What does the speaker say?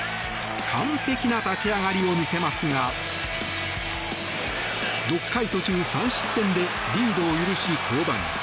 完璧な立ち上がりを見せますが６回途中３失点でリードを許し、降板。